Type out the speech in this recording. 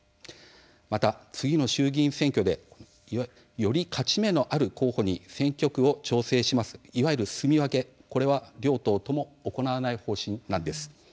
また次の衆議院選挙でより勝ち目のある候補に選挙区を調整するいわゆるすみ分けこれは両党とも行わない方針です。